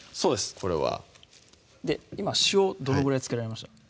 これはそうです今塩どのぐらい付けられました？